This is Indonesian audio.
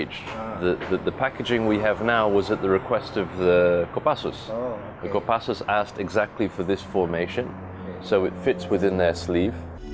jadi ini bisa ditemukan di dalam jari jari mereka